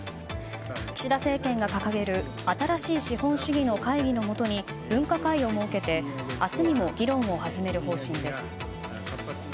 岸田政権が掲げる新しい資本主義の会議のもとに分科会を設けて明日にも議論を始める方針です。